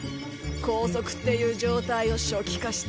拘束っていう状態を初期化した。